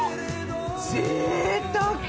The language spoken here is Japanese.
ぜいたく！